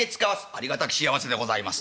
「ありがたき幸せでございます。